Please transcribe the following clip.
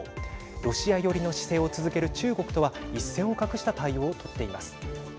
ロシア寄りの姿勢を続ける中国とは一線を画した対応を取っています。